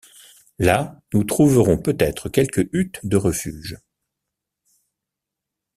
Là, nous trouverons peut-être quelque hutte de refuge.